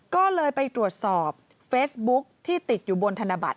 ก็เลยไปตรวจสอบเฟซบุ๊คที่ติดอยู่บนธนบัตร